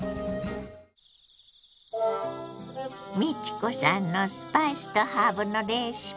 美智子さんのスパイスとハーブのレシピ。